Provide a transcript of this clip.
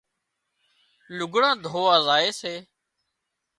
لگھڙان ڌووا زائي سي